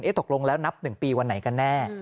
เอ๊ะตกลงแล้วนับหนึ่งปีวันไหนกันแน่